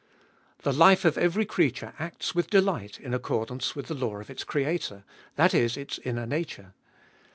The life of every creature acts with delight in accordance with the law of its Creator, that is, its inner nature.